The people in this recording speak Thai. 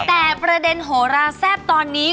แต่ประเด็นโหราแซ่บตอนนี้